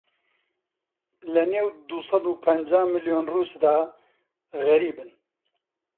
لە نێو دووسەد و پەنجا ملیۆن ڕووسدا غەریبن